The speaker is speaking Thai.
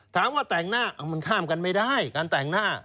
ถามว่าแต่งหน้ามันข้ามกันไม่ได้การแต่งหน้า